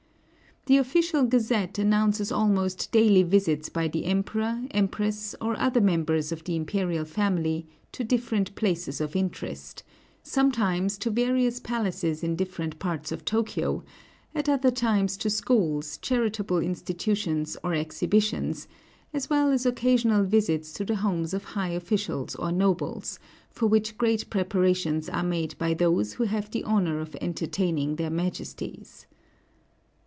The official Gazette announces almost daily visits by the Emperor, Empress, or other members of the imperial family, to different places of interest, sometimes to various palaces in different parts of Tōkyō, at other times to schools, charitable institutions or exhibitions, as well as occasional visits to the homes of high officials or nobles, for which great preparations are made by those who have the honor of entertaining their Majesties.